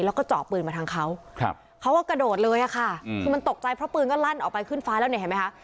แล้วก็เจาะปืนมาทางเขาเขาก็กระโดดเลยอะค่ะคือมันตกใจเพราะปืนก็ลั่นออกไปขึ้นฟ้าแล้วเนี่ยเห็นไหมคะ